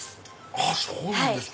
あっそうなんですか。